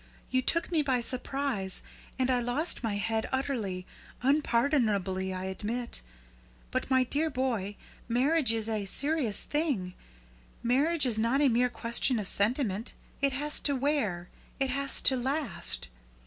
You took me by surprise, and I lost my head utterly unpardonably, I admit. But, my dear boy, marriage is a serious thing. Marriage is not a mere question of sentiment. It has to wear. It has to last.